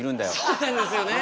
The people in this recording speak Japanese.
そうなんですよね。